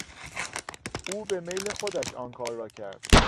او به میل خودش آن کار را کرد.